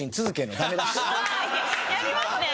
やりますね！